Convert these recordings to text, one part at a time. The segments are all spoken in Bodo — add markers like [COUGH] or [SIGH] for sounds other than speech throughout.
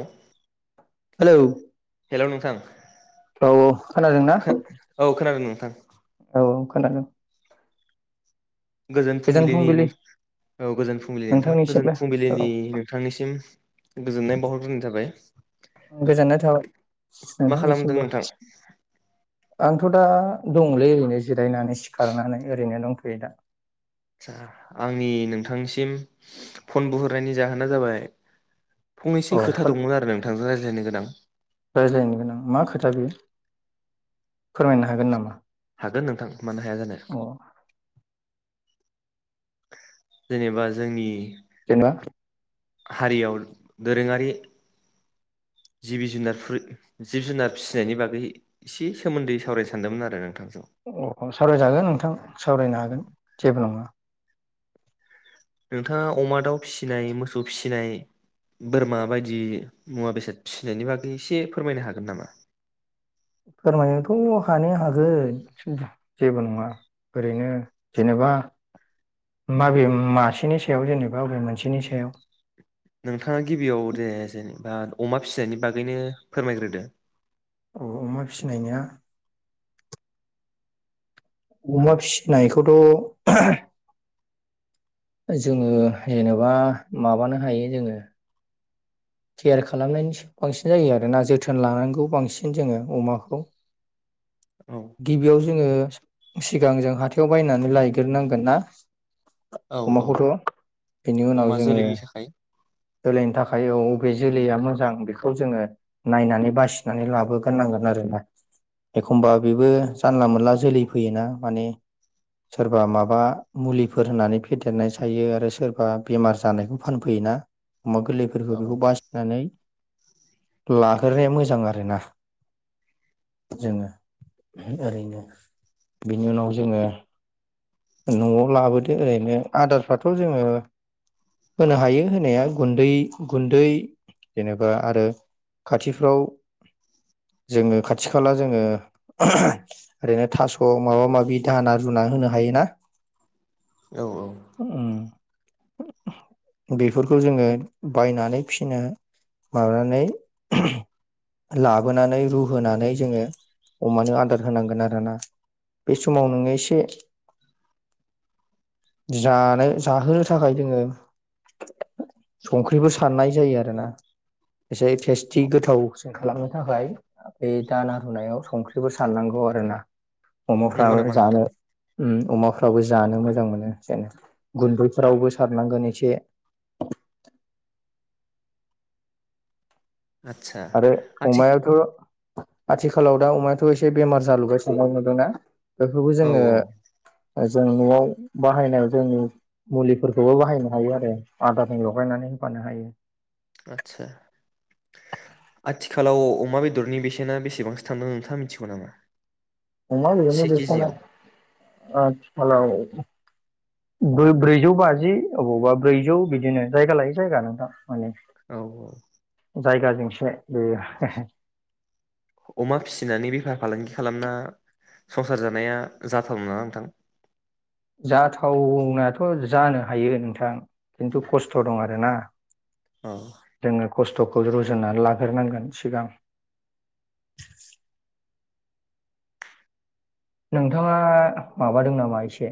औ [UNINTELLIGIBLE] हेलौ हेलौ नोंथां औ खोनादोंना औ खोनादों नोंथां [UNINTELLIGIBLE] गोजोन फुंबिलिनि नोंथां औ गोजोन फुंबिलिनि नोंथां गोजोन नोंथांनिसिमबो फुंबिलिनि औ नोंथांनिसिम गोजोननाय बावहरग्रोनाय थाबाय गोजोननाय थाबाय मा खालामदों नोंथांनिसिमबो नोंथां आंथ' दा दङलै ओरैनोसो जिरायनानै सिखारनानै ओरैनो दंथयो [UNINTELLIGIBLE] आचसा आंनि नोंथांसिम फन बुहरनायनि जाहोना जाबाय फंनैसो औ खोथा दंमोन आरो नोंथांजों रायज्लायनो गोनां रायज्लायनो गोनां मा खोथा बेयो फोरमायनो हागोन नामा हागोन नोंथां मानो हाया जानो अ जेनेबा जोंनि जेनेबा हारियाव दोरोङारि जिबि जुनारफोर जिब जुनार फिसिनायनि बागै एसे सोमोन्दै सावरायनो सान्दोंमोन आरो नोंथांजों अ सावरायजागोन नोंथां सावरायनो हागोन जेबो नङा नोंथाङा अमा दाउ फिसिनाय मोसौ फिसिनाय बोरमा बायदि मुवा बेसाद फिसिनायनि बागै एसे फोरमायनो हागोन नामा फोरमायनोथ' हानाया हागोन जेबो नङा ओरैनो जेनेबा माबे मासेनि सायाव जेनेबा अबे मोनसेनि सायाव नोंथाङा गिबियाव दे जेनेबा अमा फिनायनि बागैनो फोरमायग्रोदो औ अमा फिसिनायनिया अमा फिसिनायखौथ' जोङो जेनेबा माबानो हायो जोङो केयार खालामनायनि सायाव बांसिन जायो आरो ना जोथोन लानांगौ बांसिन जोङो अमाखौ औ गिबियाव जो जोङो सिगां जों हाथायाव बायनानै लायग्रोनांगोन ना औ औ अमाखौथ' बेनि उनाव अमा जोङो जोलैनि थाखाय जोलैनि थाखाय औ अबे जोलैया मोजां बेखौ जोङो नायनानै बासिनानै लाबोग्रोनांगोन आरोना एखमबा बेबो जानला मोनला जोलै फैयोना माने सोरबा माबा मुलिफोर होननानै फेदेरनाय जायो आरो सोरबा बेमार जानायखौ फानफैयोना अमा गोरलैफोरखौ औ बेखौ बासिनानै लाग्रोनाया मोजां आरोना जोङो ओरैनो बेनि उनाव जोङो न'आव लाबोदो ओरैनो आदारफ्राथ' जोङो होनो हायो होनाया गुन्दै गुन्दै जेनेबा आरो खाथिफ्राव जोङो खाथि खाला जोङो ओरैनो थास' माबा माबि दाना रुना होनो हायो ना औ औ बेफोर बेखौ जोङो बायनानै फिसिनो माबानानै लाबोनानै रुहोनानै जोङो अमानो आदार होनांगोन आरोना बे समाव नोङो एसे जानो जाहोनो थाखाय जोङो संख्रिबो साननाय जायो आरो ना एसे टेस्टि गोथावसिन खालामनो थाखाय बे दाना आरुनायाव संख्रिबो साननांगौ आरो ना नंगौ अमाफ्राबो नामा जानो नोंथां उम अमाफोर फ्रावबो जानो मोजां मोनो जानो गुन्दैफोरावबो सारनांगोन एसे आदसा आरो आथि अमायाथ आथिखालाव दा अमाया थ एसे बेमार जालोगासिनो बेखौ नुदोंना बेखौबो औ जोङो औ जों नआव बाहायनायाव जोंनि मुलिफोरखौबो बाहायनो हायो आरो आदारजों लगायनानै होफानो हायो आतसा आथिखालाव अमा बेदरनि बेसेना बेसेबांसो थांदों नोंथाङा मिनथिगौ नामा अमा बेदरनि से बेसेना केजियाव आथिखालाव ब्रैजौ बाजि अबावबा ब्रैजौ बिदिनो जायगा लायो जायगा नोंथां माने औ औ जायगााजोंसो बे अमा फिसिनानै बेफार फालांगि खालामना संसार जानाया जाथाव नामा नोंथां जाथावनायाथ जानो हायो नोंथां खिन्थु खस्थ दं आरोना औ जोङो खस्थखौ रुजुननानै लाग्रोनांगोन सिगां नोंथाङा माबादों नामा एसे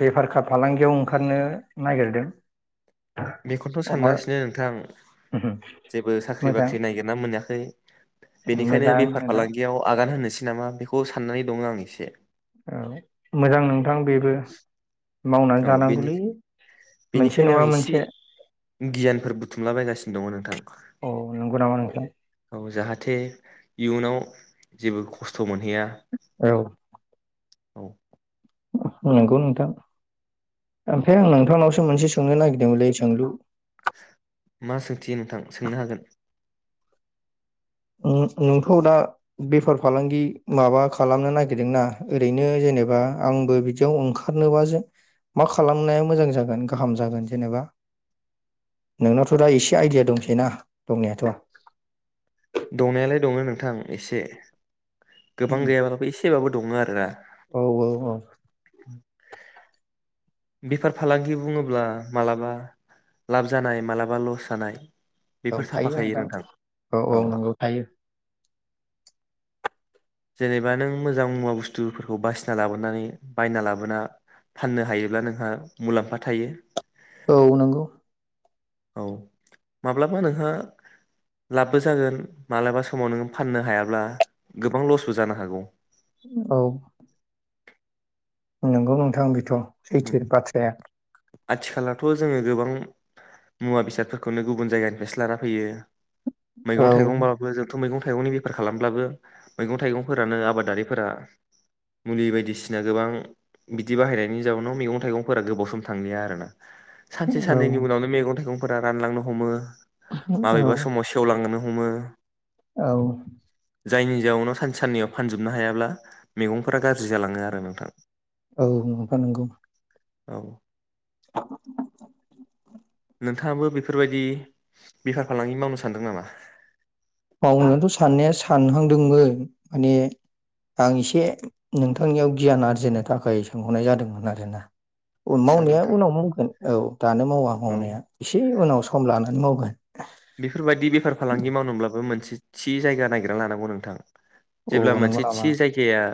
बेफार खा फालांगियाव ओंखारनो नागिरदों बेखौथ अमा सानगासिनो नोंथां जेबो साख्रि मोजां बाख्रि नागिरना मोनाखै बेनिखायनो मोजां बेफार नोंथां फालांगियाव आगान होनोसै नामा बेखौ साननानै दङ आं एसे औ मोजां नोंथां बेबो मावनानै औ बेनि जानांगौलै मोनसे बेनिखायनो नङा आं एसे मोनसे गियानफोर बुथुमलाबायगासिनो दङ नोंथां औ नंगौ नामा नोंथां औ जाहाथे थे इयुनाव जेबो खस्थ मोनहैया औ औ नंगौ नोंथां ओमफ्राय आं नोंथांनावसो मोनसे सोंनो नागिरदोंलै सोंलु मा सोंथि नोंथां सोंनो हागोन नों नोंथ दा बेफार फालांगि माबा खालामनो नागिरदोंना ओरैनो जेनेबा आंबो बिदियाव ओंखारनोबा जो मा खालामनाया मोजां जागोन गाहाम जागोन जेनेबा नोंनावथ दा एसे आइडिया दंसै ना दंनायाथ दंनायालाय दङ नोंथां एसे गोबां गैयाब्लाो एसेबाबो दङ आरो ना औ औ बेफार फालांगि बुङोब्ला मालाबा लाब जानाय मालाबा लस जानाय औ बेफोर थायो थाफाखायो नोंथां औ औ नंगौ थायो जेनेबा नों मोजां मुवा बुस्थुफोरखौ बासिना लाबोनानै बायना लाबोना फाननो हायोब्ला नोंहा मुलाम्फा थायो औ नंगौ औ माब्लाबा नोंहा लाब बो जागोन मालाबा समाव नोङो फाननो हायाब्ला गोबां लसबो जानो हागौ। औ नंगौ नोंथां बेथ सैथो बाथ्राया आथिखालाथ' जोङो गोबां मुवा बेसादफोरखौनो गुबुन जायगानिफ्रायसो लाना फैयो औ मैगं थाइगंबाबो जों मैगं थाइगंनि बेफार खालामब्लाबो मैगं थाइगंफोरानो आबादारिफोरा मुलि बायदिसिना गोबां बिदि बाहायनाय बेनि जाउनाव मैं थाइगंफोरा गोबाव सम थांलिया आरो ना सानसे औ साननैनि उनावनो मैगं थाइगं फोरा रानलांनो हमो औ माबेबा समाव सेवलांगोन हमो औ जायनि जाउनाव सानसे साननैयाव फानजोबनो हायाब्ला मैगंफोरा गाज्रि जालाङो आरो नोंथां औ नोंथां नंगौ औ [INAUDIBLE] नोंथाङाबो बेफोरबायदि बेफार फालांगि मावनो सानदों नामा? मावनोथ' साननाया सानहांदोंमोन माने आं एसे नोंथांनियाव गियान आरजिनो थाखाय सोंहरनाय जादोंमोन आरोना आदसा मावनाया नोंथां उनाव मावगोन औ दानो मावा औ मावनाया एसे उनाव सम लानानै मावगोन [UNINTELLIGIBLE] बेफोरबायदि बेफार फालांगि मावनोब्लाबो मोनसे थि जायगा नागिरना लानांगौ नोंथां अ जेब्ला नंगौ मोनसे नामा थि जायगाया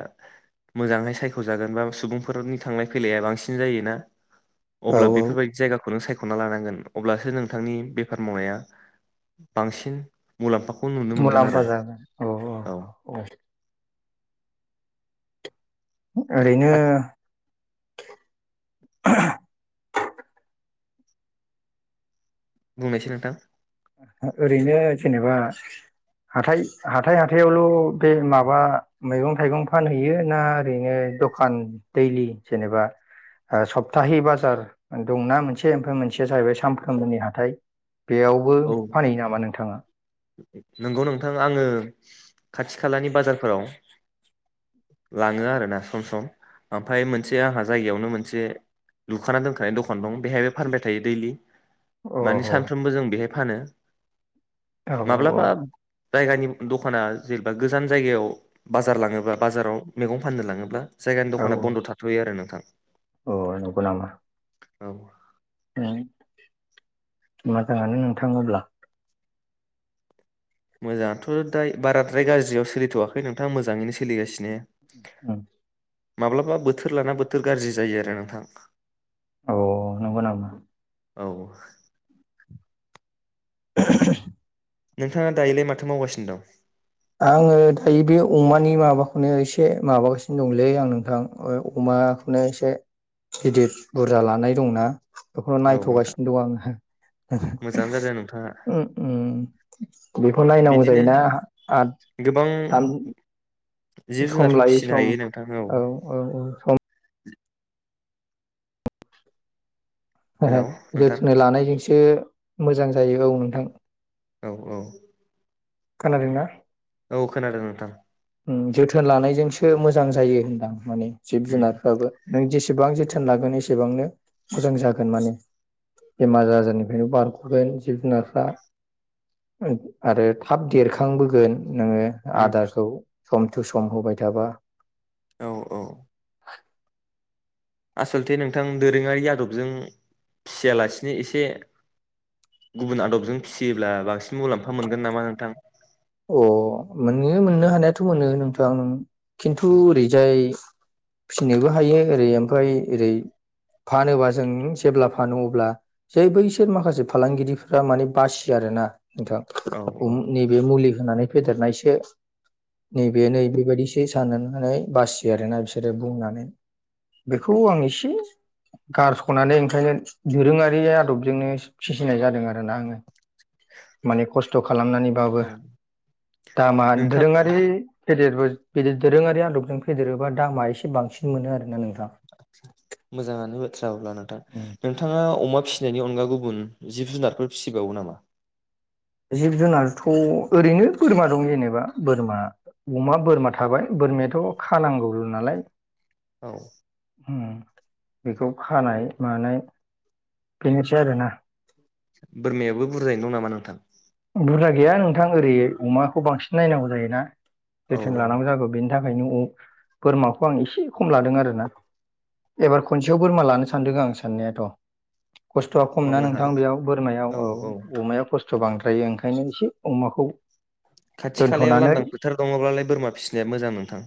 मोजांहाय सायख'जागोन बा सुबुंफोरनि थांलाय फैलाया बांसिन जायोना औ अब्ला औ बेफोरबायदि जायगाखौ खौनो सायख'ना लानांगोन अब्लासो नोंथांनि बेफार मावनाया बांसिन मुलाम्फा मुलाम्फा जागोन औ औ औ ओरैनो आद [UNINTELLIGIBLE] बुंनायसाय नोंथां ओरैनो जेनेबा हाथाय हाथाय हाथायावल' बे माबा मैगं थाइगं फानहैयो ना ओरैनो दखान दैलि जेनेबा ओ सप्ताहि बाजार दंना मोनसे ओमफ्राय मोनसेया जाहैबाय सानफ्रोमबोनि हाथाय बेयाव औ नंगौ नोंथां आङो खाथि खालानि बाजारफोराव लाङो आरोना सम सम ओमफ्राय मोनसे आंहा जायगायावनो मोनसे लुखाना दोनखानाय दखान दं बेहायबो फानबाय थायो दैलि अ माने औ सानफ्रोमबो जों बेहाय फानो औ माब्लाबा जायगानि दखाना जेनेबा गोजान जायगायाव बाजार लाङोबा बाजाराव मैगं फाननो लाङोब्ला जायगानि दखाना बन्द' थाथ'यो आरो ना नोंथां अ नंगौ नामा औ उम मोजाङानो नोंथा होनब्ला मोजाङाथ' दाय बाराद्राय गाज्रियाव सोलिथ'वाखै नोंथाङा मोजाङैनो सोलिगासिनो औ माब्लाबा बोथोर लाना बोथोर गाज्रि जायो आरो नोंथां औ नंगौ नामा औ [INAUDIBLE] नोंथाङा दायोलाय माथो मावगासिनो दं आङो दायो बे अमानि माबाखौनो एसे माबागासिनो दंलै आं नोंथां अमाखौनो एसे गिदिर बुरजा लानाय दंना बेखौनो औ नोंथां नायथ'गासिनो दं आङो मोजाङानो जादों नोंथाङा बेखौ नायनांगौ बिदिनो जायोना आद गोबां सान जिब सम जुनारफोर लायो फिसिनो सम हायो नोंथां औ औ औ सम हेलौ नोंथां जोथोनै लानाय जोंसो मोजां जायो औ नोंथां औ औ खोनादोंना अ खोनादों नोंथां जोथोन लानायजोंसो मोजां जायो होनदां माने जिब उम जुनारफ्राबो नों जेसे एसेबां जोथोन लागोन एसेबांनो मोजां जागोन माने बेमार आजारनिफ्रायनो बारग'गोन जिब जुनारफ्रा आरो थाब देरखांबोगोन नोङो उम आदारखौ सम थु सम होबाय थाबा औ औ [INAUDIBLE] आसलथे नोंथां दोरोङारि आदबजों फिसियालासिनो एसे गुबुन आदबजों फिसियोब्ला बांसिन मुलाम्फा मोनगोन नामा नोंथां अ मोनो मोननो हानायाथ' मोनो नोंथां ओं खिन्थु ओरैजाय फिनोबो हायो ओरै ओमफ्राय ओरै फानोबा जों जेब्ला फानो अब्ला जे बैसोर माखासे फालांगिरिफ्रा माने बासियो आरोना नोंथां औ औ नैबे मुलिखौ होनानै फेदेरनायसो नैबे नै बेबायदिसो साननानै बासियो आरोना बिसोरो बुंनानै बेखौ आं एसे गारस'नानै ओंखायनो दोरोङारि आदबजोंनो फिसिनाय जादों आरोना आङो माने खस खालामनानैबाबो औ दामा नोंथां दोरोङारि फेदेरबो बिदि दोरोङारि आदबजों फेदेरोबा दामा एसे बांसिन मोनो आरोना नोथां मोजाङानो बाथ्रा अब्ला नोंथां नोंथाङा अमा फिसिनायनि अनगा गुबुन जिब जुनारफोर फिसिबावो नामा जिब जुनारथ' ओरैनो बोरमा दं जेनेबा बोरमा अमा बोरमा थाबाय बोरमायाथ' खानांगौल' नालाय औ उम बेखौ खानाय मानाय बेनोसै आरोना बोरमायाबो बुरजायै नं नामा नोंथां बुरजा गैया नोंथां ओरै अमाखौ बांसिन नायनांगौ जायोना औ जोथोन औ लानांगौ जागौ बेनो बेनि थाखायनो अ बोरमाखौ आं एसे खम लादों आरोना एबार खनसेयाव बोरमा लानो सानदों आं साननायाथ' खस्थ'आ खमना मावनो नोंथां हागोन बेयाव बोरमायाव औ अमाया खस्थ' [UNINTELLIGIBLE] [UNINTELLIGIBLE] ओंखायनो एसे अमाखौ खाथि खालायाव दोनथ'नानै लांदां फोथार दङब्लालाय बोरमा फिसिनाया मोजां नोंथां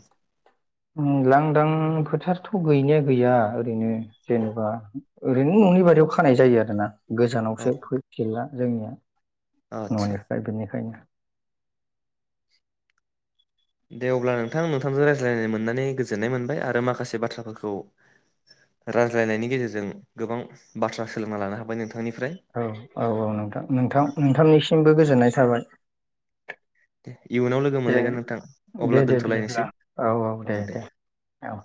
लांदां फोथारथ' गैनाया गैया ओरैनो जेनेबा ओरैनो न'नि बारियाव खानाय जायो आरोना गोजानावसो [UNINTELLIGIBLE] जोंनिया आदसा न'निफ्राय बेनिखायनो दे अब्ला नोंथां नोंथांजों रायज्लायनो मोननानै गोजोननाय मोनबाय आरो माखासे बाथ्राफोरखौ रायज्लायनायनि गेजेरजों गोबां बाथ्रा सोलोंना लानो हाबाय नोंथां औ औ औ नोंथां नोंथां नोंथांनिसिमबो गोजोननाय थाबाय दे इयुनाव लोगो दे मोनलायगोन नोंथां अब्ला दोनथ'लायनोसै औ दे औ